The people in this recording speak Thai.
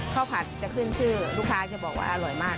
ผัดจะขึ้นชื่อลูกค้าจะบอกว่าอร่อยมาก